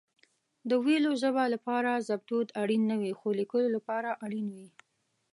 د ويلو ژبه لپاره ژبدود اړين نه وي خو ليکلو لپاره اړين وي